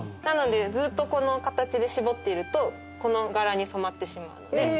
なのでずっとこの形で絞っているとこの柄に染まってしまうので。